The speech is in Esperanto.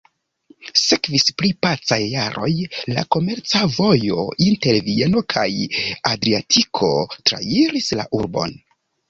Sekvis pli pacaj jaroj, la komerca vojo inter Vieno kaj Adriatiko trairis la urbon.